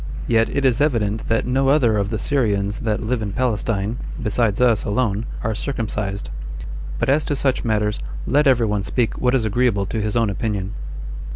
Yet it is evident that no other of the Syrians that live in Palestine, besides us alone, are circumcised. But as to such matters, let every one speak what is agreeable to his own opinion.